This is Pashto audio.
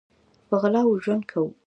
په غلا ژوند کوو